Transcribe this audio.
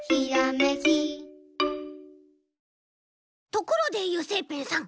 ところで油性ペンさん。